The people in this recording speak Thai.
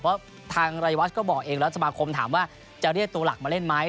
เพราะทางรายวัชก็บอกเองแล้วสมาคมถามว่าจะเรียกตัวหลักมาเล่นไหม